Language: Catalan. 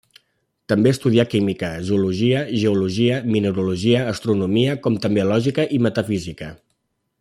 També estudià química, zoologia, geologia, mineralogia, astronomia com també lògica i metafísica.